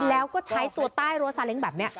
แล้วก็ใช้ตัวใต้โรสาเล็งแบบนี้